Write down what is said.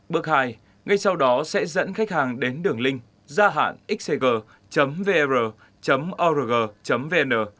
bước hai ngay sau đó sẽ dẫn khách hàng đến đường link gia hạn xcg vr org vn